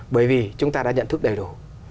bởi vì chúng ta đã nhận thức đầy đủ